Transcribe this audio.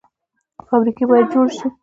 فابریکې باید جوړې شي